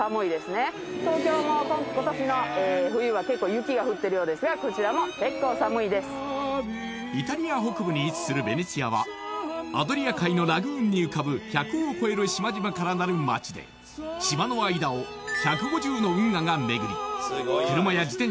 駅に来ておりますで着くんですがイタリア北部に位置するヴェネチアはアドリア海のラグーンに浮かぶ１００を超える島々からなる街で島の間を１５０の運河が巡り